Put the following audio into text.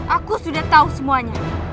aku sudah tau semuanya